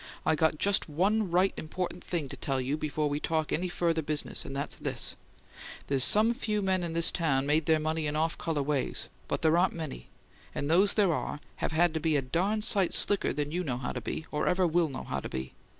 "I got just one right important thing to tell you before we talk any further business; and that's this: there's some few men in this town made their money in off colour ways, but there aren't many; and those there are have had to be a darn sight slicker than you know how to be, or ever WILL know how to be!